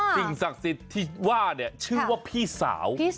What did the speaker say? สิ่งศักดิ์สิทธิ์ที่ว่าเนี่ยชื่อว่าพี่สาว